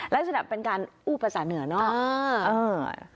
ลักษณะเป็นการอู้ประสาทเหนือนอก